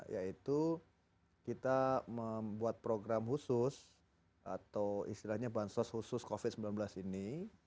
yaitu kita membuat program khusus atau istilahnya bansos khusus covid sembilan belas ini